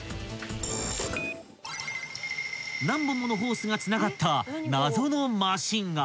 ［何本ものホースがつながった］